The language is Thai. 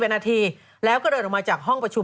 เป็นนาทีแล้วก็เดินออกมาจากห้องประชุม